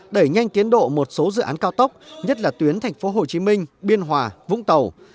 đẩy nhanh tiến độ một số dự án cao tốc nhất là tuyến tp hcm biên hòa vũng tàu